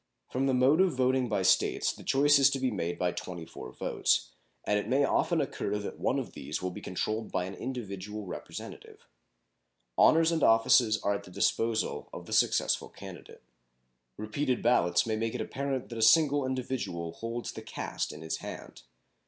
From the mode of voting by States the choice is to be made by 24 votes, and it may often occur that one of these will be controlled by an individual Representative. Honors and offices are at the disposal of the successful candidate. Repeated ballotings may make it apparent that a single individual holds the cast in his hand.